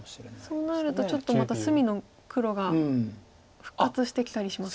そうなるとちょっとまた隅の黒が復活してきたりしますか。